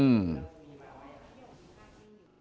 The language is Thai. อืม